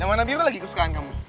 yang mana biru lagi kesukaan kamu